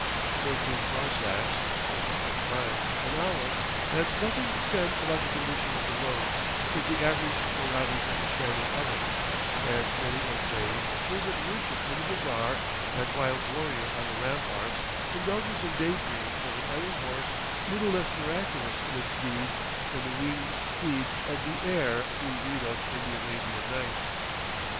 Fourteen farsakhs (fifty six miles) an hour, and nothing said about the condition of the roads, is the average Herati's understanding of it; and many a grave, turbaned merchant in the bazaar, and wild warrior on the ramparts, indulges in day dreams of an iron horse little less miraculous in its deeds than the winged steed of the air we read of in the Arabian Nights.